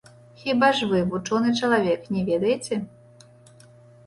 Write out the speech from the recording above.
Хіба ж вы, вучоны чалавек, не ведаеце?